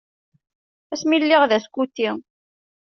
Ass mi lliɣ d askuti.